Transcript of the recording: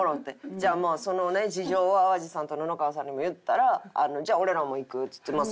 じゃあもうそのね事情を淡路さんと布川さんにも言ったら「じゃあ俺らも行く」っつってまあ